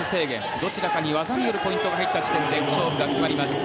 どちらかに技によるポイントが入った時点で勝負が決まります。